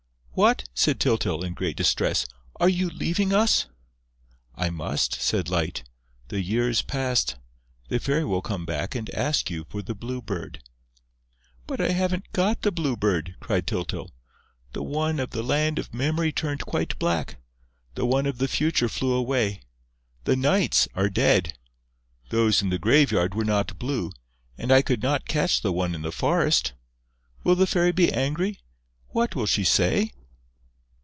"What!" said Tyltyl, in great distress. "Are you leaving us?" "I must," said Light. "The year is past. The Fairy will come back and ask you for the Blue Bird." "But I haven't got the Blue Bird!" cried Tyltyl. "The one of the Land of Memory turned quite black, the one of the Future flew away, the Night's are dead, those in the Graveyard were not blue and I could not catch the one in the Forest!... Will the Fairy be angry?... What will she say?..."